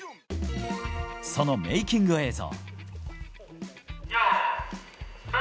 そのメイキング映像。